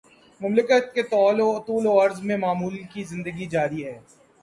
مملکت کے طول وعرض میں معمول کی زندگی جاری ہے۔